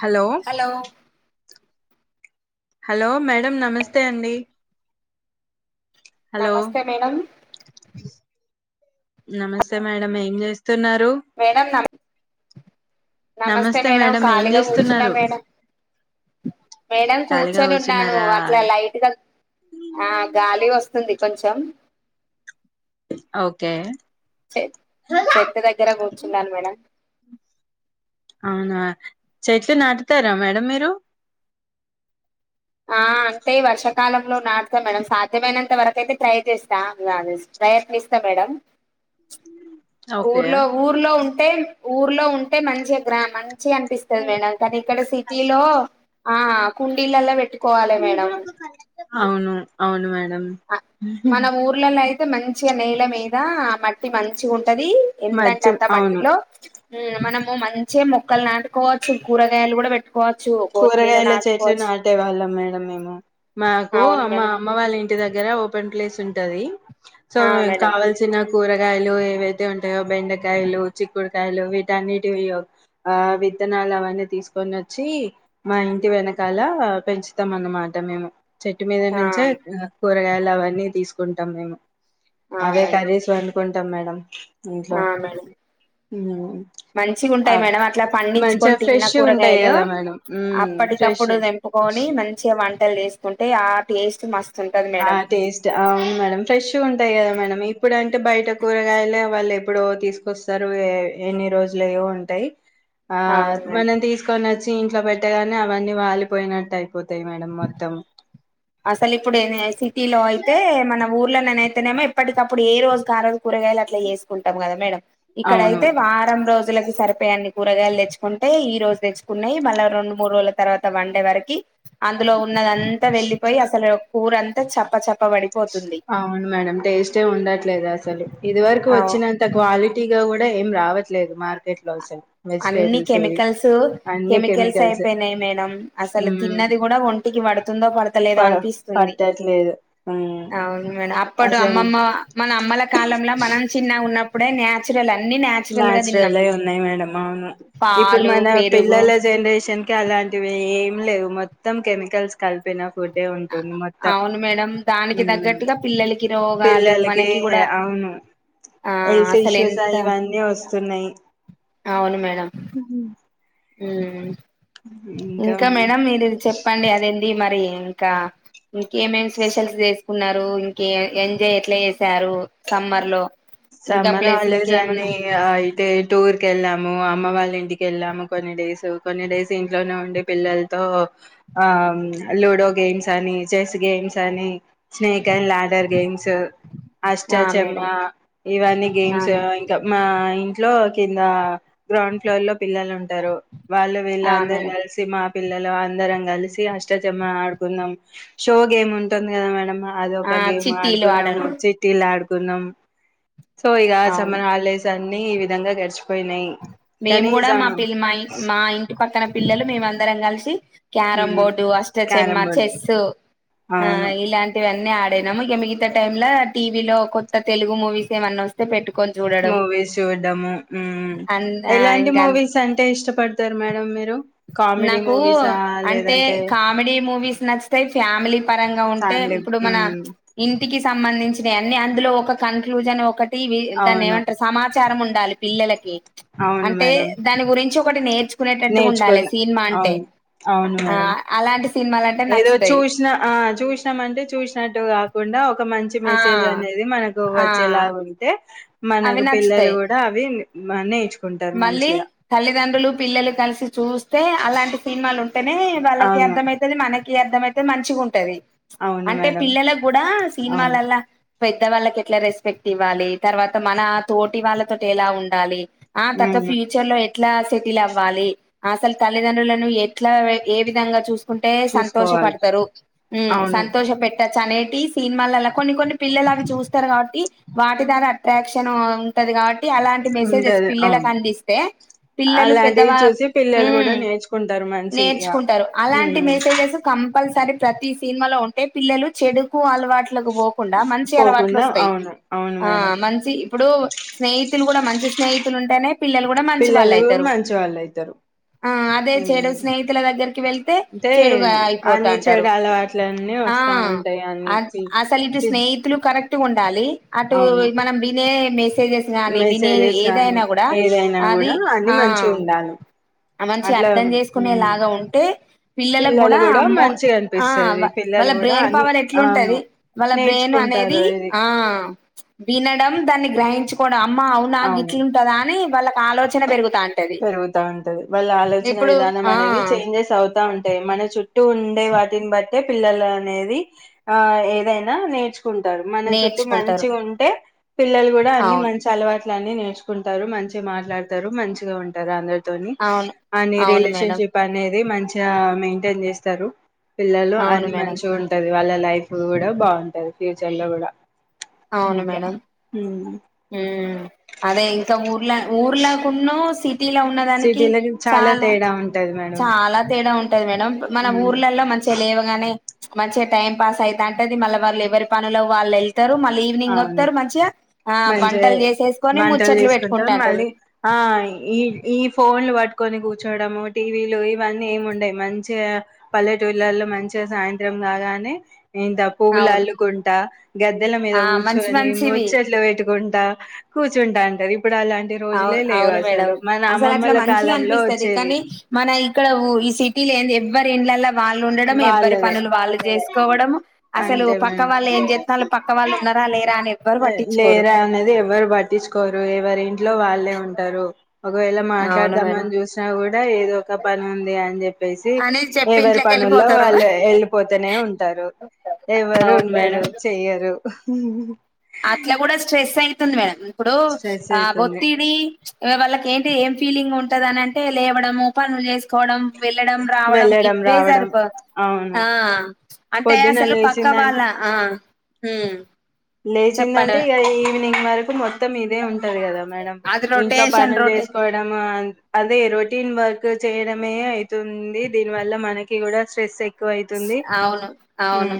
Hello hello madam నమస్తే అండి hello నమస్తే మేడమ్ నమస్తే మేడమ్ ఏం చేస్త మేడం నమ నమస్తే మేడం ఖాళీగా కూర్చున్నాం మేడం మేడం ఖాళీగా కూర్చొని ఉన్నాను కూర్చున్నారా అట్లా లైట్గా ఆ గాలి వస్తుంది కొంచెం ఓకే కుచున్నాను మేడం అవునా చెట్లు నాటుతారా మేడం మీరు ఆ అంటే ఈ వర్షాకాలంలో నాటుతాం మేడం సాధ్యమైనంత వరకు అయితే ట్రై చేస్తా ప్రయత్నిస్తా మేడ ఓకే ఊర్లో ఊర్లో ఉం టే ఊర్లో ఉంటే మంచి గ్రామం మంచిగనిపిస్తది మేడం కానీ ఇక్కడ సిటీలో ఆ కుండీలలో పెట్ అవును అవును మేడం మ మన ఊర్లలో అయితే మంచిగా నేళ్ల మీద మట్ ది మంచి ఉంట ఉంటది ఎంతంటే మధ్య అంత అవును మట్టిలో మనము మంచిగ మొక్కలు నాటుకోవచ్చు కూరగాయలు కూడా పెట్టు కూరగాయల చెట్లు నాటే వాళ్ళం మేడం మేము మాకు అవును అమ్ మా మేడం అమ్మ వాళ్ళ ఇ ఇంటి దగ్గర ఓపెన్ ప్లేస్ ఉంటది సో ఆ మేం మేడం కావాల్సిన కూరగాయలు ఏవైతే ఉంటాయో బెండకాయలు చిక్కుడుకాయలు వీటన్నిటి ఆ విత్తనాలు అవనా తీసుకొని వచ్చి మా ఇంటి వెనకాల పెంచుతాం అన్నమాట మేము చెట్టు మీద ఆ నుంచే కూరగాయలు అవన్నీ తీసుకుంటాం మేము ఆ అవే మేడం కరిసొన్ కుంటాం మేడం ఇంట్లో ఆ మేడం ఉమ్ మంచిగా ఉంటాయి మేడం అట్లా మంచిగా పండించుకొని తిన్న ఫ్రెష్ ఉంటాయి కూరగాయలు కదా మేడం ఉమ్ ఫ్రెష్ అప్పటికప్పుడు తెంపుకొని మంచిగా వంట లు వేసుకుంటే ఆ టేస్ట్ మస్ ఆ టేస్ట్ అవును మేడం ఫ్రెష్గ గ ఉంటాయి కదా మేడం ఇప్పుడుంటే బయట కూరగాయలే వాళ్ళు ఎప్పుడో తీసుకొస్తారు ఎన్ని రోజులువో ఉంటాయి ఆ అవును మేడం మనం తీసుకొని వచ్చ ఇంట్లో పెట్టగానే అవన్నీ వాలిపోయినట్టు అయిపోతాయి మేడం మొత్తం అసలు ఇప్పుడు ఏ సిటీలో అయితే మన ఊర్లోనేనైతేనేమో ఇప్పటికప్పుడు ఏ రోజు ఆ రోజు కూరగాయలు అట్లా చేసుకుంటాం కదా మేడం ఇక్కడ అవును అయితే వారం రోజులకి సరిపోయాన్ని కూరగాయలు తెచ్చుకుంటే ఈ రోజు తెచ్చుకున్నాయి మళ్ళా రెండు మూడు రోజుల తర్వాత వన్డే వరకి అందులో ఉన్నద అంతా వెళ్లి పోయ్ అసలు కూర అంత చప్ప చప్ప పడిపోతుంది అవును మేడం టేస్టే ఉండట్లేదు అసలు ఇది వరకు అవు వచ్చినంత క్వాలిటీ ఇక కూడా ఏం రావట్లేదు మార్కెట్ లో ఆసలు అన్ని కెమికల్స్ కెమికల్స్ అయిపోయినాయి మేడం అసలు తిన్నది కూడా ఉ ంటికి తుందో ప పడతలేదో అనిపిస్తుంది పట్టట్లేదు ఉమ్, అవును మేడం అప్పడు అసలు అమ్మమ్మ మన అమ్మల కాలంలో మనం చిన్నగా ఉన్న ప్పుడే న్యాచురల్ అ నాచురల్ ఉన్నాయి మేడమ్మా అవును ఇప్పుడు పాలు మన పెరుగు పిల్లల జనరేషన్ కి అలాంటివి ఏ లేవు మొత్తం కెమికల్స్ కలిపిన ఫుడ్డే ఉంటుంది మొత్తం అవును మేడం దానికి ఉమ్, తగ్గట్టుగా పిల్లలకి రోగాలు పిల్లలకి మనకి కూడా అవును ఆ హెల్త్ అసలు ఇష్యూస్ ఎంత ఇవన్నీ వస్తున్నాయి అవును మ్యా ఉ ఉ ఇంకా మేడం మీరు చెప్పండి అదే ఇది మరి ఇంకా ఇంకేమేమి స్పెషల్స్ చేసుకున్నారు, ఇంకే ఎంజాయ్ ఎట్లా చేసారు సమ్మర్ లో ఇంకా సమ్మర్ ప్లేస్ హాలిడేస్ అండి ఇంకేమన్నా అయితే టూర్ కెళ్ళాము అమ్మ వాళ్ళ ఇంటికి వెళ్ళాము, కొన్ని డేస్ కొన్ని డేస్ ఇంట్లోనే ఉండే పిల్లలతో ఆ లుడో గేమ్స్ అని, చెస్ గేమ్స్ అని, స్నేక్ అండ్ లాడర్ గేమ్ చ్ అష్టా ఆ చెమ్మ మేడం ఇవన్నీ ఆ గేమ్స్ మేడం ఇంకా మా ఇంట్లో కింద గ్రౌండ్ ఫ్లోర్ లో పిల్లలు ఉంటారు వాళ్ళు వీళ్ళ ఆ అందరు మేడం కలిసి మా పిల్లలు అందరం కలిసి అష్టచమ్మ ఆడుకుందాం షో గేమ్ ఉంటుంది కదా మేడం అద ఒక ఆ గేమ్ చిట్టీలు ఆడ్గు నము ఆడడం చ చిటీల్ ఆడ్ కున్నాం సో ఇగా అవును సమ్మర్ హాలిడేస్ న్నీ ఈ విధంగా గడిచిపోయినాయి మేము కానీ కూడా సా మా పిల్ మా మా ఇంటి పక్కన పిల్లలు మేమ అందరం కలిసి క్యారం మ్మ్ బోర్డు అష్టచమ్మ క్యారం బోర్డ్ చెస్సు ఆ అవును ఇలాంటి ఇవన్నీ ఆడనాము ఇక మిగతా టైమ్ లో టీవీలో కొత్త తెలుగు మూవీస్ ఏమన్నా వస్తే పెట్టుకు మూవీస్ చూడ్డము మ్ అంత అ ఇంకా మేడం మీరు కామెడీ నాకు మూవీసా అంటే లేదంటే కామెడీ మూవీస్ నచ్చితాయి ఫ్యామిలీ పరంగా ఉంటే ఫ్యామిలీ ఇప్పుడు మన మ్మ్ ఇంటికి సంబంధించినవి అన్ని అందులో ఒక కన్క్లూజన్ ఒక టీవి దాన్ని అవును ఏమంటారు సమాచారం ఉ డాలి పిల్లలకి అవును అంటే మేడం దాని గురించి ఒకటి నేర్చు కునేటట్టుగా ఉండాలి నేర్చుకున్నా సినిమా అంటే అవును అవును ఆ మేడం అలాంటి సినిమాలంటే ఏదో నచ్చుతాయి చూసిన ఆ చూసినాంమంటే చూసినట్టుగా ఉండవ్ ఒక మంచి ఆ మెసేజ్ అనేది మనకు ఆ వచ్చేలాగ ఉంటే అవి మనకు పిల్లలు నచ్చుతాయి కూడా అవి మని మళ్ళీ తల్లిదండ్రులు పిల్లలు కలిసి చూస్త స్తే అలాంటి సినిమాలు ఉంటాయి అంటనే వాళ్ళకి అవును అర్థమవుతుది మనకి ఈ అర్థంమయితే మంచిగ ఉంటది. అవును అంటే మేడం పిల్లలకు కూడా అవును సినిమాలల్లా పెద్ద వాళ్ళకి ఎట్లా రెస్పెక్ట్ ఇవ్వాలి. తర్వాత మన తోటి వాళ్ళతోటి ఎలా ఉండాలి. ఆ తత ఉమ్ ఫ్యూచర్ లో ఎట్లా సెటిల్ అవ్వాలి. అసలు తల్లిదండ్రులను ఎట్లా ఏ విధంగా చూసు. కుంటే సంతోష చూసుకోవాలి పడతారు అవును సంతోష పెట్ చనేటి సినిన్మాల్లా కొన్ని కొన్ని పిల్లలు అవి చూస్తారు కాబట్టి వాటి దారా అట్రాక్షన్ ఉంటది కాబట్టి. అలాంటి మెసేజ్స్ ఉంటది పిల్లలకు అవును అందిస్తే పిల్లలు పెద్ద అలాంటివి వాళ్ళు చూసి ఉ పిల్లలు కూడా నేర్చుకుంటారు మంచిగా నేర్చుకుంటారు. అలాంటి ఉమ్ మెసేజెస్ క పల్సరీ ప్రతి సినిమాలో ఉంటే పిల్లలు చెడుకు అలవాట్ పోకుండా మంచి అలవాట్లు పోకుండా వస్తాయి. అవును అవును ఆ మేడం మంచి ఇప్పుడు స్నేహితులు కూడా మంచి స్నేహితు ఉంటేనే పిల్లలు కూడా మంచి వాళ్ళు పిల్లలు అయితరు. మంచి వాళ్ళు అయితారు ఆ అదే ఉమ్ చెడు స్నేహితుల దగ్గరికి వెళ్తే అంటే చెడుగా అయిపోతా అన్ని అంటారు. చెడు అలవాట్లన్నీ ఆ వస్తా ఉంటాయి అన్ని చి- అసలు ఇటు చి- స్నేహితులు కరెక్ట్. ఉండాలి అటు అవును మనం వినే మెస్ స్ గానీ వినేవీ మెసేజెస్ గానీ యినా కూడా ఏదైనా అది కూడా అన్ని ఆ మంచిగా ఉండాలి మంచి అట్లా అర్థం ఉమ్ చేసుకునేలాగా. ఉంటే పిల్లలకు పిల్లలు కూడా అమ్మో మంచిగా ఆ అనిపిస్తది వా పిల్లలు వాళ్ళ కూడా బ్రెయిన్ అని పవర్ అవును ఎట్లుంటది. వాళ్ళ బ్రెయిన్ అనేది నేర్చుకుంటారు ఇది ఆ వినడం దాన్ని గ్రహించుకోడా అమ్మ అవునా గి అవును కం పదాన్ని వాళ్ళకి ఆలోచన పెరుగుతుంది పెరుగుతా ఉంటది వాళ్ళ ఆలోచన ఇప్పుడు విధానం ఆ అనేది చేంజెస్ అవుతా ఉంటాయి మన చుట్టూ చుట్టు ఉండే వాటిని బట్టే పిల్లలు అనేది ఆ ఏదైనా నేర్చు కుంటారు మన చుట్టూ నేర్చుకుంటారు మంచిగా ఉంటే పిల్లలు కూడా అన్ని అవును మంచి అలవాటు అన్ని నేర్చుకుంటారు మంచి మాట్లాడుతారు మంచి ఉంట అందులో అవును అని అవును రిలేషన్ మేడం షిప్ అనేది మంచి మెయింటైన్ చేస్తారు పిల్లలు అవును అన్ని మేడం మంచి ఉంటది వాళ్ళ లైఫ్ కూడా బాగుంటది ఫ్యూచర్ లో కూడా అవును మేడం ఉమ్ అదే ఇంకా ఊర్లా ఊర్లాకున్న సిటీలో చాలా తేడా ఉంటది మేడం. చాలా తేడా ఉంటది మేడం మన హ్మ్ ఊర్లలో మంచిగా లేవగానే మంచిగా టైం పాస్ అయిత అంటేది మళ్ళీ వాళ్ళు ఎవరి పనులు వాళ్ళు వెళ్ అవును ఆ మంచిగా వంటలు చేసేసుకొని వంటలు ముచ్చట్లు తీసుకుంటారు పెట్టుకుంటాంటారు మళ్ళీ ఆ ఈ ఈ ఫోన్లుట్ కట్టుకొని కూర్చోడము టీవీలు ఇవన్నీ ఏమి ఉండయి మంచిగా పల్లెటూళ్లల్లో మంచిగా సాయంత్రం కాగాని ఇంత పువ్వులు అవును అల్లుకుంటా గగాద్ద మీద ఆ మంచి కూర్చొని మంచివి ముచ్చట్లు పెట్టుకోం త కూర్చుట ఉంటాంటరి అవును అవును మేడం అసలు అట్లా అమ్మమ్మల మంచిగా కాలంలో అనిపిస్తుది వచ్చేవి కానీ మన ఇక్కడ ఈ సిటీలో ఏంది ఎవ్వ తిండ్లల వాళ్ళు ఉండడం ఎవ్వరి వాళ్ళదే పనులు వాళ్ళు చేసుకోవడం అసలు అంతే పక్క మేడం వాళ్ళు ఏం చెస్త పక్క వాళ్ళు ఉన్నార లేరా అనే లేరా అనేది ఎవరు ప పట్టించుకోరు ఎవరెంటి ఇంట్లో లో వాళ్ళే ఉంటారు ఒకవేళ అవును మేడం మాట్లాడదాంని చూసినా కూడా ఏదో ఒక పని ఉంది అని చెప్పేసి అని చెప్పి ఎవరి ఇంట్లోకి పనుల్లో వెళ్ళిపోతారు వాళ్ళు వెళ్ళిపోతేనే ఉంటారు ఎవరు అవును ఉండరు చెయ్యరు ఉమ్ అత్లా కూడా స్ట్రెస్ అయి తుంది మేడం ఇప్పుడు స్ట్రెస్ ఆ అయితుంది ఒత్తిడి వాళ్ళకి ఏంటి ఫీలింగ్ ఉంటందిని అంటే లేవడము పనులు చేసు పోవడం వెళ్ళడం రావడం వెళ్ళడం గివ్వే రావడం సరిపోతా అవును ఆ అంటే పొద్దున అసలు పక్క వాళ్ళ లేచిందంటే ఆ లేచిందంటే చెప్పండి ఇగా ఈవినింగ్ వరకు మొత్తం ఇవే ఉం ఉంటాది కదా మేడం అది ఇంట్లో రొటేషన్ పనులు రొటే చేసుకోవడం అదే రోటీన్ వర్క్ చేయడం మే అయితుంది దీని వల్ల మనకి కూడా స్ట్రెస్ ఎక్కువ అయితుంది అవును అవును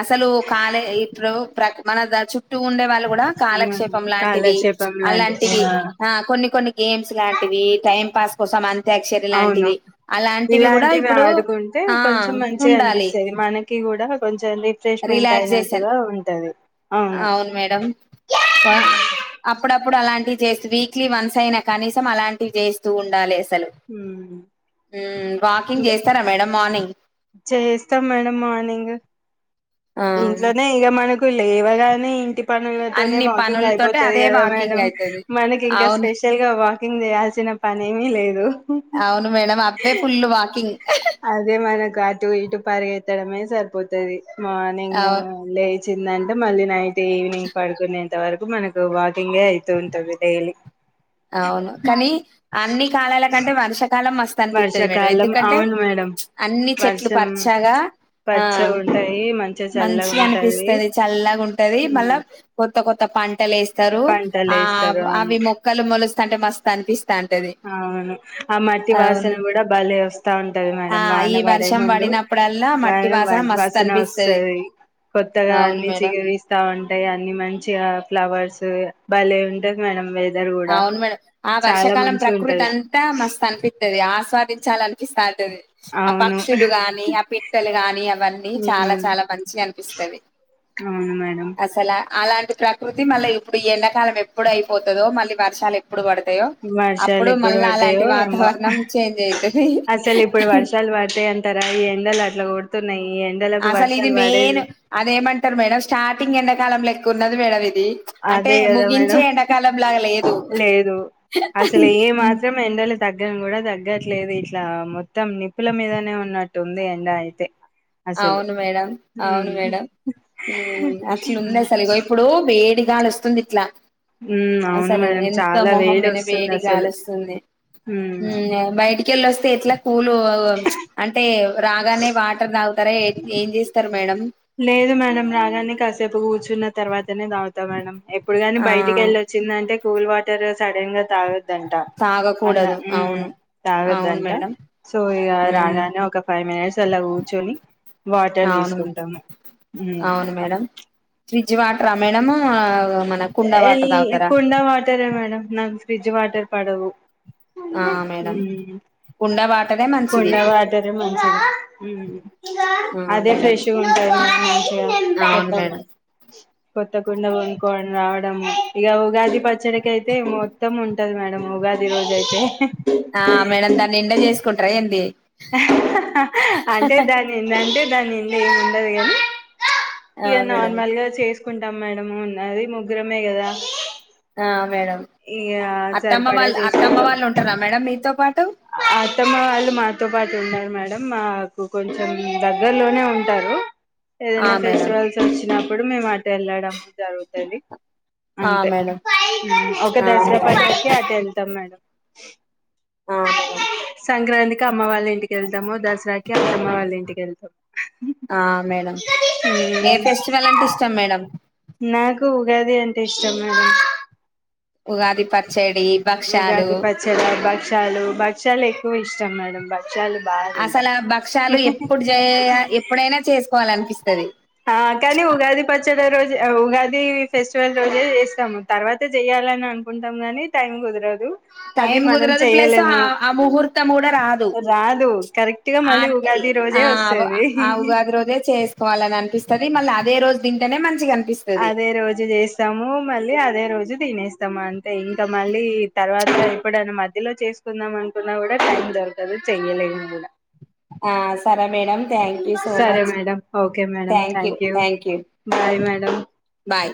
అసలు కాలే ఇప్పుడు ప్రతి మన చుట్టూ ఉండే వాళ్ళు కూడా కాలక్షేపం లాంటివి కాలక్షేపం లాంటి అలాంటివి ఆ కొన్ని కొన్ని గేమ్స్ లాంటివి టైం పాస్ కోసం అంత అవును ఇలాంటివి ఇప్పుడు ఆడుకుంటే ఆ కొంచెం మంచి ఉండాలి అనిపిస్తాది మనకి కూడా కొంచం రిలాక్సేషన్ అవును మేడం చిన్నప్పుడు అలాంటివి చేస్తే వీక్లీ వన్స్ అయినా కనీసం అలాంటివి చేయిస్తూ ఉండాలి ఉమ్. ఉమ్ వాకింగ్ చేస్తారా మేడం మార్నింగ్ చేయిస్తాం మేడం మార్నింగ్ ఆ ఇంట్లోనే ఇగ మనకు లేవగానే ఇంటి పనులతోనే అన్ని వాకింగ్ పనులతోటి అయిపోతది అదే కదా వాకింగ్ మేడం అయితది మనకి ఇంకా అవును స్పెషల్ గా వాకింగ్ చేయాల్సిన పనే ఏమిీ లేదు అవును మేడం అవ్వే ఫుల్ వాకింగ్ అదే మనకు అటు ఇటు పరిగెత్తడమే సరిపోతది మార్నింగ్ అవును లే వచ్చిందంటే మళ్ళీ నైట్ ఈవినింగ్ పడుకునేంత వరకు మనకు వాకింగ్గే అయితూ ఉంటుంది డైలీ అవును కానీ అన్ని కాలాలకంటే వర్షాకాలం మస్తు అనిపితది మేడం వర్షాకాలం ఎందుకంటే అవును మేడం అన్ని చెట్లు వర్షం పచ్చగా ఆ పచ్చగా ఉంటాయి మంచిగా మంచి చల్లగా ఉంటది అనిపిస్తాది చల్లాగా ఉంటది మళ్ళ కొ కొత్త పంటలులేేస్త ారు పంటలు ఆ వేస్తారు అవును అవి మో మొక్కలు మోలుస్తాంటే మస్త్ అనిపిస్ అవును ఆ మట్టి వాసన అవును కూడా బలే వస్తా ఉంటది ఆ మేడం వాన ఈ పడే వర్షం ముందు పడినప్పుడల్లా వాన మట్టి మస్తు వాసన అనిపిస్తది వస్తాది కొత్తగా అవును అన్ని మేడం చిగురిస్తా ఉంటాయి అన్ని మంచిగా ఫ్లవర్స్ భలే ఉంటది మేడం వెదర్ కూడా అవును మేడం ఆ చాలా వర్షకాలం మంచిగా ప్రకి పకృతి ఉంటది అంతా మస్త అనిపి ది ఆస్వాదించాలని అనిపిస్తా ఆ అవును పక్షులు గానీ ఆ పిట్టలు గాని అవన్నీ చాలా ఉమ్ చాలా మంచిగా అనిపిస్తవి అవును మేడం అసలా అలాంటి ప్రకృతి మళ్ళీ ఇప్పుడు. ఈ ఎండాకాలం ఎప్పుడు అయిపోతుందో. మళ్ళీ బఠశాలే అప్పుడు పడతాయో వర్షాలు అప్పుడు ఎప్పుడు మళ్ళా అలాంటి పడతాయో ఏమో వాతావరణం చేంజ్ అయితుంది. అసలు ఇప్పుడు వర్షాలు పడతాయి ఈ ఎండలు అట్లా కొడుతున్నాయి. ఈ ఎండలకు అసలు ఇది వర్షాలు మెయిన్ పడేది అదేమంటారు, మేడం స్టార్టింగ్ ఎండాకాలంలో ఎక్కువ, ఉ వేళ వ అదే కదా మేడం లాగా లేదు లేదు, అసలు ఏ మాత్రం ఎండలు తగ్గ దగ్గం కూడా తగ్గట్లేదు, ఇట్లా మొత్తం నిప్పుల మీదనే ఉన్నట్టు ఉంది. ఎండ అయితే, అసలు అవును మేడం అవును ఉమ్ మేడం అట్లుంది. అసలు ఇగో ఇప్పుడు వేడి, గాలి వస్తుంది. ఇట్లా ఉ అవును అసలు మేడంమ్ ఎంత చాలా మొహం వేడి మీద వస్తుంది. గాలి అసలు హ కలస్తే ఎట్లా కూల్ అంటే రాగానే వాటర్ తాగు, సరే ఏం చేస్తారు, మేడం లేదు మేడం రాగానే కాసేపు కూర్చున్నా, తర్వాతనే తాగుతా మేడం. ఎప్పుడు కానీ ఆ బయటికి వెళ్ళొచ్చిందంటే, కూల్ వాటర్ సడన్ గా తాగుద్, దంట అలా తాగకూడదు అవును అవును తాగద్దంట మేడం సో ఇక హ్మ్. రాగానే ఒక ఫైవ్ మినిట్స్ అలా కూర్చొని వాటర్ అవును తీసుకుంటాము. ఉమ్ అవును మేడం, ఫ్రిడ్జ్ వాటర్ మేడం మన కుండ వాటర్ ఎ తాగుతారా కుండ వాటర్ మేడం, ఫ్రిడ్జ్ వాటర్ పడవు, ఆ మేడం కుండ వాటరే కొండ మంచిది వాటరే మంచిది, ఆ అదే మేడం ఫ్రెష్గా ఉంటాయి. మంచిగా అవును కొత్త, మేడం కొత్తకుండ కొనుక్కోవాలి. రావడము ఇక ఉగాది పచ్చడికి అయితే, మొత్తం ఉంటది. మేడం ఉగాది రోజు అయితే, ఆ మేడం దాన్ని నిండ చేసి, కుంట్ర ఎంది అంటే దానిడి, అంతే దానిండి ఏం ఉండదుగాని, ఆ ఇక మేడం నార్మల్ గా చేసి, తీసుకుంటాం, మేడము అది ముగ్గురమే కదా, ఆ మేడం ఇక అత్తమ్మ సరిపడా వాళ్ళ అత్తమ్మ వాళ్ళు చేసుకుంటాం ఉంటారా. మేడం మీతో పాటు, అత్తమ్మ వాళ్ళు మాతో పాటు ఉన్నారు. మేడంమ్ మా నాకు కొంచెం దగ్గరలోనే ఉంటారు. ఆ ఏదైనా మేడం ఫెస్టివల్స్ వచ్చినా ఇప్పుడు మేము అటు వెళ్ళడం జరుగుతది ఆ అంతే మేడం ఒక ఆ దసరా పండుగకి అటు ఎళ్తాం మేడం ఆ మేడం సంక్రాంతికి అమ్మ వాళ్ళ ఇంటికి ఎళ్తాము దసరాకి అమ్మమ్మ వాళ్ళ ఇంటికి ఎళ్తామ్ ఆ మేడం ఏ ఫెస్టివల్ అంటే ఇష్టం మేడం నాకు ఉగాది అంటే ఇష్టం మేడం ఉగాది పచ్చేడ్ ఉగాది పచ్చడ భక్షాలు భక్షాలు ఎక్కువ ఇష్ స్టమ్ మేడం బక్ష్ అసలు ఆ భక్ష్యాలు ఎప్పుడు చేయ ఎప్పుడైనా చేసు ఆ కానీ ఉగాది పచ్చడి రోజు ఉగాది ఇది ఫెస్టివల్ రోజే చేస్తాము తర్వాత చేయ్యాలని అనుకుంటాం గాని టైం కుదరదు అది టైమ్ మనం కుదరదు ప్లస్ చెయలేము ఆ ముహూర్తం కూడా రాదు రాదు దు కరెక్ట్ గా ఆ మళ్ళీ ఇ ఉగాది రోజే వస్తది ఆ ఉగాది రోజే చేసుకోవాలిని అనిపిస్తుంది మళ్ళీ అదే రోజ జు దింటనే మంచిగా అనిపిస్తది అదే రోజు చేస్తాము మళ్ళీ అదే రోజు తినేస్తమన్ ఇంకా మళ్ళీ తర్వాత ఎప్పుడైనా మ మధ్యలో చేసుకుందాం అనుకున్నా కూడా టైం దొరకదు చెయలేము కూడా ఆ సరే మేడం థ్యాంక్ యూ సో సరే much madam okay madam thank you bye madam bye